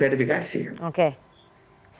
yang kemungkinan bisa ditetapkan sebuah kondisi